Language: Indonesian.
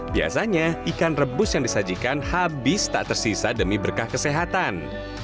biasanya ikan rebus yang disajikan habis tak tersisa demi berkah kesehatan